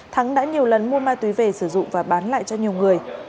thắng đã nhiều lần mua ma túy về sử dụng và bán lại cho nhiều người